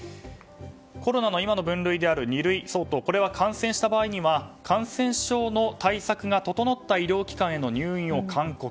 コロナの今の分類である二類相当これは感染した場合には感染症の対策が整った医療機関への入院を勧告。